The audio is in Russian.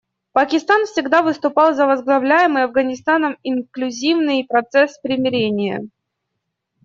Пакистан всегда выступал за возглавляемый Афганистаном инклюзивный процесс примирения.